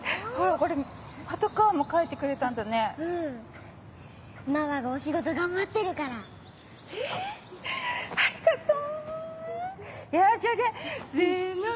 これパトカーもうんママがお仕事頑張ってるからえありがとう！